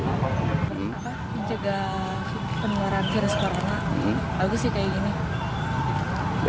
kenapa menjaga penularan keras karena bagus sih kayak gini